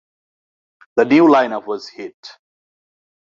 The new line-up was a hit.